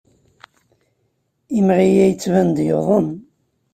Imɣi-a yettban-d yuḍen.